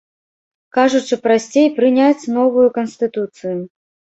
Кажучы прасцей, прыняць новую канстытуцыю.